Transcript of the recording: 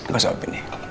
gak usah objeknya